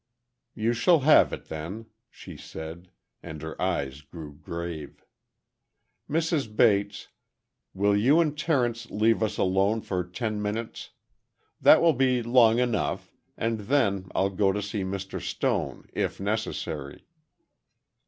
"You shall have it, then," she said, and her eyes grew grave. "Mrs. Bates, will you and Terence leave us alone for ten minutes. That will be long enough, and then, I'll go to see Mr. Stone—if necessary."